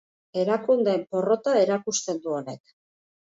Erakundeen porrota erakusten du honek.